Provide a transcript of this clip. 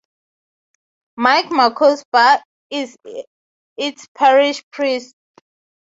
Mike Marquez Bar is its Parish Priest.